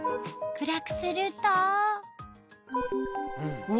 暗くするとうわ！